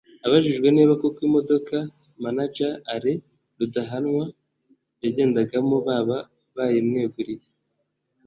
Abajijwe niba koko imodoka manager Alain Rudahanwa yagendagamo baba bayimweguriye